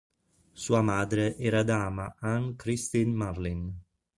Sua madre era dama Anne-Christine Marlin.